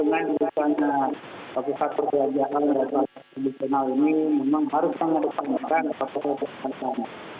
nah memang untuk dengan dipercaya kesehatan tersebut memang harus mengembangkan kesehatan tersebut